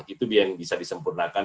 itu yang bisa disempurnakan